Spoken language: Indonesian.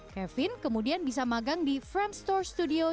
kevin kemudian bisa magang di framestore studio